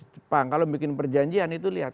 jepang kalau bikin perjanjian itu lihat